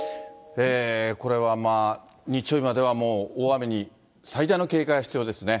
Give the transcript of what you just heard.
これは日曜日までは、もう大雨に最大の警戒が必要ですね。